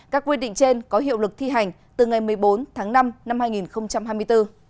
các quy định trên có hiệu lực thi hành từ ngày một mươi bốn tháng năm năm hai nghìn hai mươi bốn